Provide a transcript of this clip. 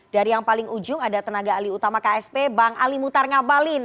dari yang paling ujung ada tenaga ali utama ksp bang ali mutar ngabalin